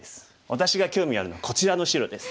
私が興味あるのはこちらの白です」。